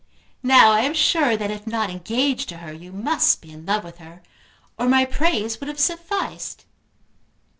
"Now I am sure that if not engaged to her you must be in love with her, or my praise would have sufficed."